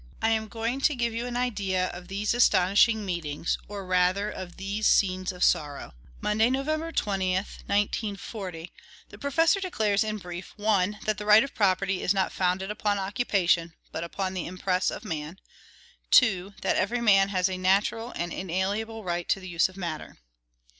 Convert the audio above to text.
I am going to give you an idea of these astonishing meetings, or rather of these scenes of sorrow. Monday, Nov. 20, 1840. The professor declares, in brief, 1. That the right of property is not founded upon occupation, but upon the impress of man; 2. That every man has a natural and inalienable right to the use of matter.